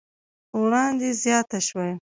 وړاندې زياته شوې